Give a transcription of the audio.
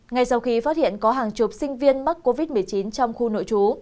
ngay sau khi phát hiện có hàng chục sinh viên mắc covid một mươi chín trong khu nội trú